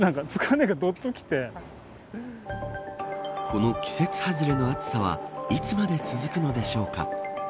この季節外れの暑さはいつまで続くのでしょうか。